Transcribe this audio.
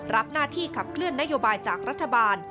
รับหน้าที่ขับเคลื่อนนโยบายจากรัฐบาล